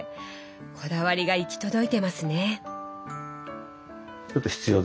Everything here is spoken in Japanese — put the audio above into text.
こだわりが行き届いてますね。